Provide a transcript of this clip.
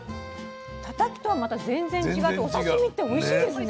タタキとはまた全然違ってお刺身っておいしいですね。